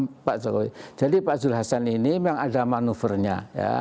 mem pak jokowi jadi pak jules hassan ini memang ada maksudnya ya